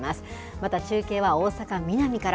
また、中継は大阪・ミナミから。